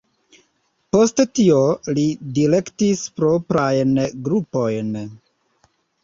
Post tio li direktis proprajn grupojn.